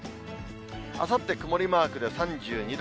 あさって曇りマークで３２度。